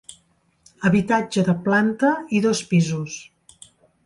Habitatge de planta i dos pisos.